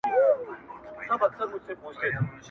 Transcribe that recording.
• بل وايي دود بل وايي جرم..